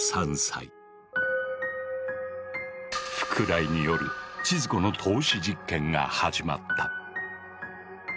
福来による千鶴子の透視実験が始まった。